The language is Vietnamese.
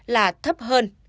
là thấp hơn